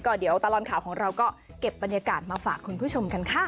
เดี๋ยวตลอดข่าวของเราก็เก็บบรรยากาศมาฝากคุณผู้ชมกันค่ะ